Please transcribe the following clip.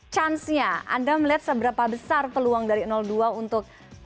chance nya anda melihat seberapa besar peluang dari dua untuk